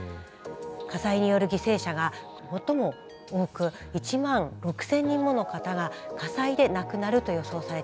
火災による犠牲者が最も多く１万６，０００人もの方が火災で亡くなると予想されています。